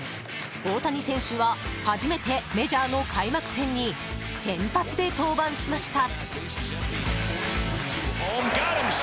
大谷選手は初めてメジャーの開幕戦に先発で登板しました。